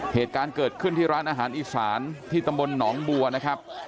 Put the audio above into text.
เหตุการณ์เกิดขึ้นที่ร้านอาหารอีสานที่ตำบลหนองบัวนะครับ